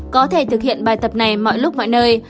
có thể thực hiện bài tập này mọi lúc mọi nơi